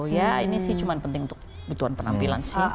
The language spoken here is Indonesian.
ya ini sih cuma penting untuk butuhan penampilan sih